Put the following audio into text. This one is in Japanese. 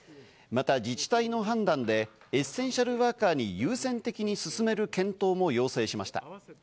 また自治体の判断でエッセンシャルワーカーに優先的に進める検討も要請しました。